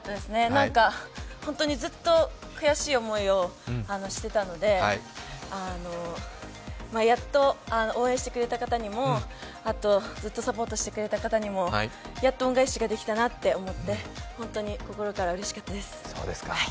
なんか本当にずっと悔しい思いをしてたのでやっと応援してくれた方にもずっとサポートしてくれた方にもやっと恩返しができたなと思って心からうれしかったです。